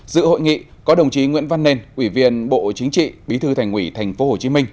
dự hội nghị có đồng chí nguyễn văn nền quỹ viên bộ chính trị bí thư thành quỷ tp hcm